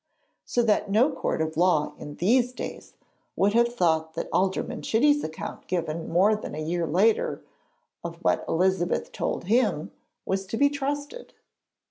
So that no court of law in these days would have thought that Alderman Chitty's account given more than a year later, of what Elizabeth told him, was to be trusted.